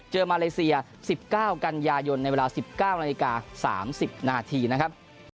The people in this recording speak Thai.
มาเลเซีย๑๙กันยายนในเวลา๑๙นาฬิกา๓๐นาทีนะครับ